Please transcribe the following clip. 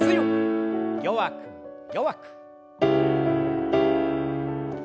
弱く弱く。